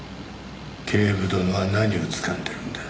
警部殿は何をつかんでるんだ？